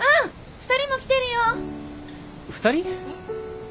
２人？